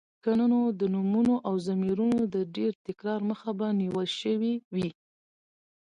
که نو د نومونو او ضميرونو د ډېر تکرار مخه به نيول شوې وې.